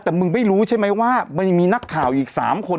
แต่มึงไม่รู้ใช่ไหมว่ามันยังมีนักข่าวอีก๓คน